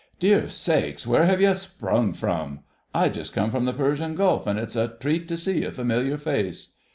"Dear sakes! Where have you sprung from? I just come from the Persian Gulf, and it's a treat to see a familiar face!"